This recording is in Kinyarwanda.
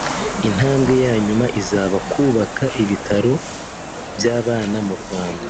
Intambwe ya nyuma izaba kubaka ibitaro by’abana mu Rwanda